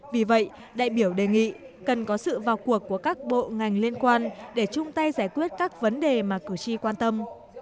vì vậy đại biểu đề nghị cần có sự vào cuộc của các bộ ngành liên quan để chung tay giải quyết các vấn đề mà cử tri quan tâm